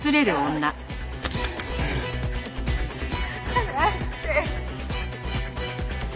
離して。